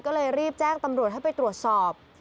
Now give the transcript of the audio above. ก็เลยรีบแจ้งตำรวจให้ไปตรวจสอบ